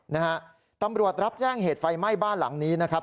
นะฮะตำรวจรับแจ้งเหตุไฟไหม้บ้านหลังนี้นะครับ